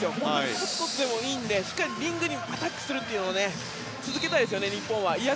コツコツでもいいのでしっかりリングにアタックすることを続けたいです日本は。